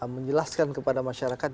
menjelaskan kepada masyarakat